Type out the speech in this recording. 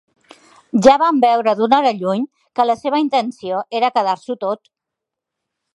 Ja vam veure d'una hora lluny que la seva intenció era quedar-s'ho tot.